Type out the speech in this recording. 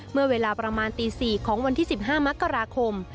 เมื่อเวลาประมาณตี๔ของวันที่๑๕มกราคม